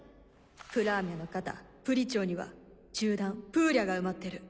プラーミャの肩プリチョーには銃弾プーリャが埋まってる。